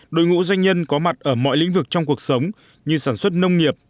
đội ngũ doanh nhân có mặt ở mọi lĩnh vực trong cuộc sống như sản xuất nông nghiệp